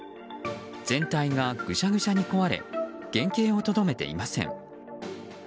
全体がぐしゃぐしゃに壊れ原形をとどめていません。